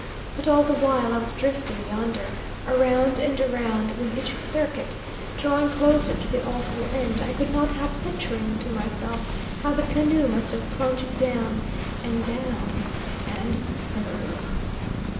But all the while I was drifting yonder, around and around, with each circuit drawing closer to the awful end, I could not help picturing to myself how the canoe must have plunged down, and down, and burr r r!"